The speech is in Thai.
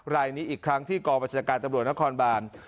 รายนี้อีกครั้งที่กรประชนการณ์ตำรวจนครบรรณ